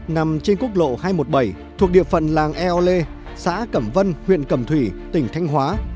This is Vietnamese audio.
nằm trên quốc lộ hai trăm một mươi bảy thuộc địa phận làng eo lê xã cẩm vân huyện cẩm thủy tỉnh thanh hóa